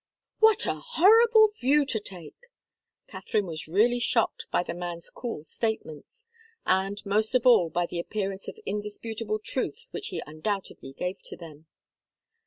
"What a horrible view to take!" Katharine was really shocked by the man's cool statements, and most of all by the appearance of indisputable truth which he undoubtedly gave to them.